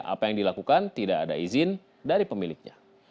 apa yang dilakukan tidak ada izin dari pemiliknya